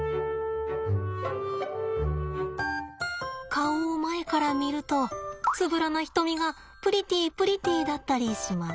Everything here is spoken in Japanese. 顔を前から見るとつぶらな瞳がプリティープリティーだったりします。